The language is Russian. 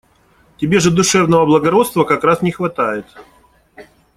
Тебе же душевного благородства как раз не хватает.